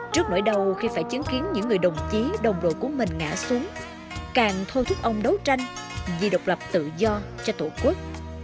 trước nỗi đau khi phải chứng kiến những người đồng chí đồng đội của mình ngã xuống càng thôi thúc ông đấu tranh vì độc lập tự do cho tổ quốc